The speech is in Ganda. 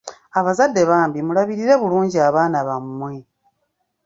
Abazadde bambi mulabirire bulungi abaana bammwe.